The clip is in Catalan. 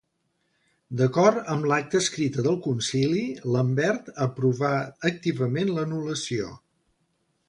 D'acord amb l'acta escrita del concili, Lambert aprovà activament l'anul·lació.